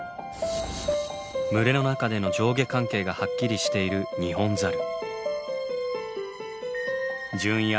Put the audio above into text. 群れの中での上下関係がはっきりしているニホンザル。